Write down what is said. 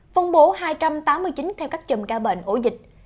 phân bố hai trăm tám mươi chín theo các chùm ca bệnh ổ dịch